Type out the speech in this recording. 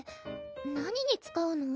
何に使うの？